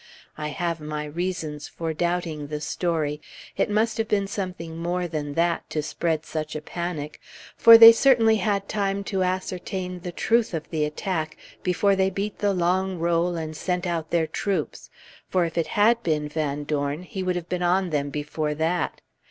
I have my reasons for doubting the story; it must have been something more than that, to spread such a panic; for they certainly had time to ascertain the truth of the attack before they beat the long roll and sent out their troops, for if it had been Van Dorn, he would have been on them before that.